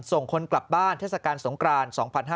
ส่งคนกลับบ้านเทศกาลสงคราน๒๕๕๙